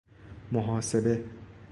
محاسبه